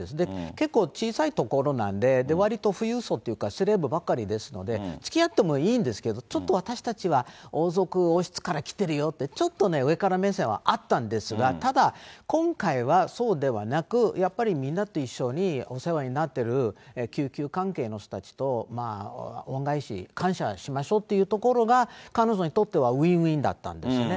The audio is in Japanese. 結構、小さいところなんで、わりと富裕層というかセレブばっかりですので、つきあってもいいんですけど、ちょっと私たちは王族、王室から来てるよって、ちょっと上から目線はあったんですが、ただ今回はそうではなく、やっぱり皆と一緒にお世話になってる救急関係の人たちと恩返し、感謝しましょうというところが、彼女にとってはウィンウィンだったんですね。